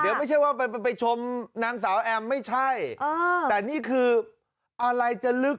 เดี๋ยวไม่ใช่ว่าไปชมนางสาวแอมไม่ใช่